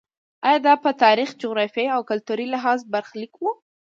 ایا دا په تاریخي، جغرافیایي او کلتوري لحاظ برخلیک و.